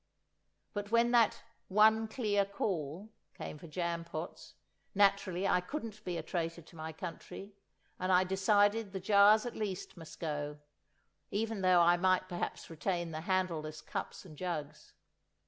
But when that "one clear call" came for jam pots, naturally I couldn't be a traitor to my country, and I decided the jars at least must go, even though I might perhaps retain the handleless cups and jugs.